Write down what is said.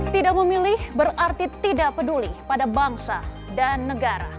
tidak memilih berarti tidak peduli pada bangsa dan negara